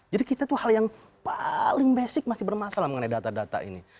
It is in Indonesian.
jadi kita itu hal yang paling basic masih bermasalah mengenai data data ini